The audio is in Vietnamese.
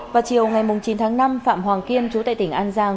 vào chiều ngày chín tháng năm phạm hoàng kiên chú tại tỉnh an giang